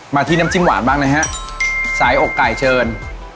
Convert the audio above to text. ที่น้ำจิ้มหวานบ้างนะฮะสายอกไก่เชิญ